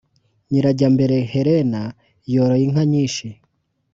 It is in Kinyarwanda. Nyirajyambere Helena yoroye inka nyinshi